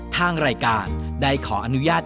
ทางรายการได้ขออนุญาต